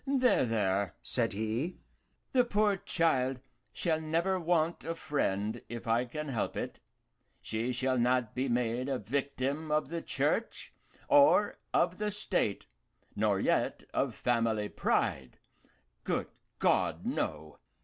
"There, there," said he, "the poor child shall never want a friend. If I can help it, she shall not be made a victim of the Church or of the State, nor yet of family pride good God, no!"